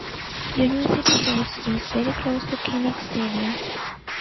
University Heights is very close to Kinnick Stadium.